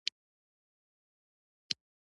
کچالو په سختو حالاتو کې هم وده کوي